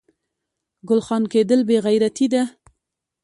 ګل خان کیدل بې غیرتي ده